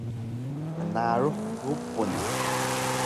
Mnarux gupun